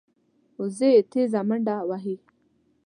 وزې تېزه منډه وهي